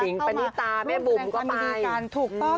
คุณหญิงเป็นดีตาแม่บุ๋มก็ไปเพิ่มรู้สึกยังมีดีกันถูกต้อง